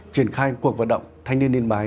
triển khai cuộc vận động thanh niên liên bái